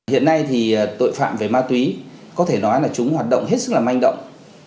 hiện nay thì tội phạm về ma túy có thể nói là chúng hoạt động hết sức là manh động